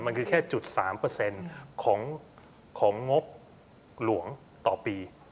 มันคือแค่จุด๓ของงบหลวงต่อปี